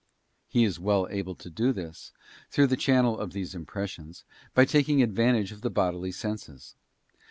He is well able to do this, through the channel of these impressions, by taking advantage of the bodily senses.